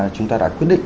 chúng ta đã quyết định